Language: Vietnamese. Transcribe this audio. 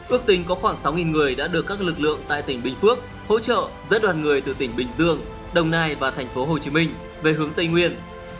ước tính có khoảng sáu người đã được các lực lượng tại tỉnh bình phước hỗ trợ dẫn đoàn người từ tỉnh bình dương đồng nai và thành phố hồ chí minh về hướng tây nguyên